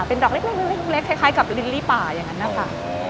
เป็นดอกเล็กเล็กเล็กเล็กคล้ายคล้ายกับลิลลิป่าอย่างนั้นค่ะอ๋อ